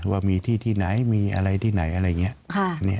ว่ามีที่ที่ไหนมีอะไรที่ไหนอะไรอย่างนี้